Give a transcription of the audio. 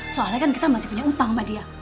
soalnya kan kita masih punya utang sama dia